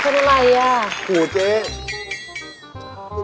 ประการเวลาที่ขนาดก่อน